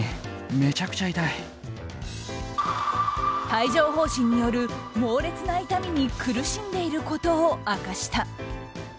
帯状疱疹による猛烈な痛みに苦しんでいることを明かした。